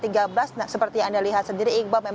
nah seperti yang anda lihat sendiri iqbal